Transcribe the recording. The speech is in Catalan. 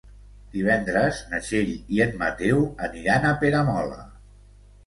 Divendres na Txell i en Mateu aniran a Peramola.